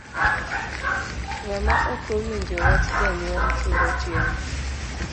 Ng'ama okowinjo wach janyuol turo tiende.